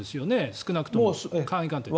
少なくとも簡易鑑定で。